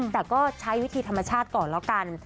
แต่ก็ใช้วิธีธรรมชาติก่อนแล้วกัน